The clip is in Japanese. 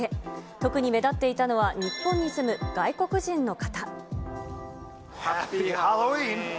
特に目立っていたのは、日本に住む外国人の方。